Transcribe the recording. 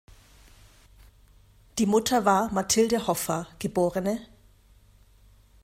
Die Mutter war "Mathilde Hoffa geb.